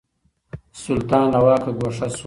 سلطان له واکه ګوښه شو.